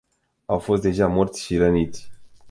Au fost deja morți și răniți.